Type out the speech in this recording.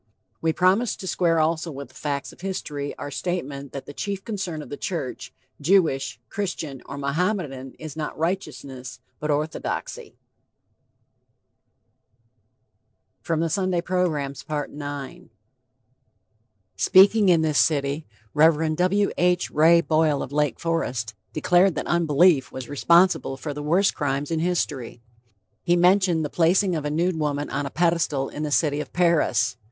We promised to square also with the facts of history our statement that the chief concern of the church, Jewish, Christian, or Mohammedan, is not righteousness, but orthodoxy. IX Speaking in this city, Rev. W. H. Wray Boyle of Lake Forest, declared that unbelief was responsible for the worst crimes in history. He mentioned the placing. "of a nude woman on a pedestal in the city of Paris.